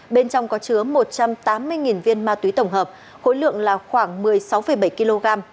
bên trong có chứa một trăm tám mươi viên ma túy tổng hợp khối lượng là khoảng một mươi sáu bảy kg